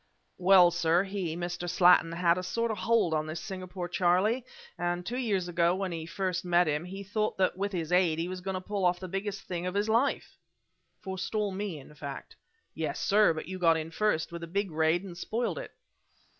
"Well, sir, he Mr. Slattin had a sort of hold on this Singapore Charlie, and two years ago, when he first met him, he thought that with his aid he was going to pull off the biggest thing of his life " "Forestall me, in fact?" "Yes, sir; but you got in first, with the big raid and spoiled it."